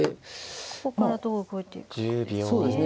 ここからどう動いていくかですね。